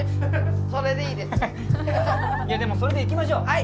いやでもそれでいきましょう！